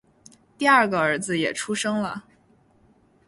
第二个儿子也出生了